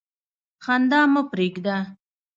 خندا مه پرېږده.